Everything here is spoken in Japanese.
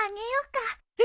えっ！